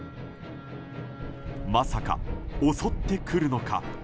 まさか襲ってくるのか。